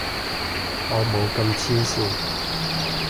我冇咁黐線